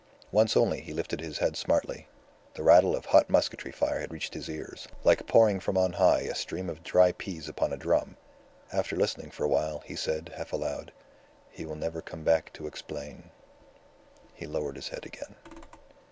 Once only he lifted his head smartly: the rattle of hot musketry fire had reached his ears, like pouring from on high a stream of dry peas upon a drum. After listening for a while, he said, half aloud "He will never come back to explain." And he lowered his head again.